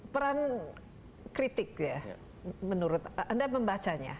peran kritik ya menurut anda membacanya